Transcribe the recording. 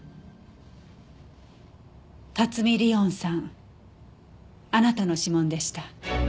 辰見莉音さんあなたの指紋でした。